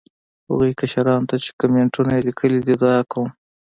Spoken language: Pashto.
هغو کشرانو ته چې کامینټونه یې لیکلي دي، دعا کوم.